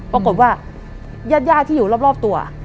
ปรากฏว่าญาติที่อยู่รอบตัว